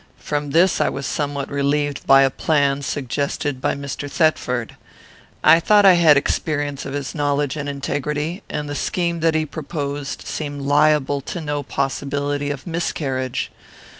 From this I was somewhat relieved by a plan suggested by Mr. Thetford. I thought I had experience of his knowledge and integrity, and the scheme that he proposed seemed liable to no possibility of miscarriage.